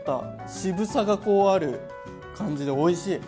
渋さがこうある感じでおいしい！